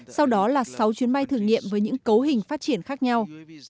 sau đó là sáu chuyến bay thử nghiệm với những cấu hình phát triển khác nhau